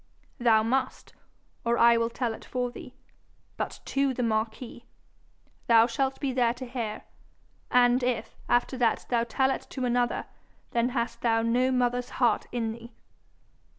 'Thou must, or I will tell it for thee but to the marquis. Thou shalt be there to hear, and if, after that, thou tell it to another, then hast thou no mother's heart in thee.'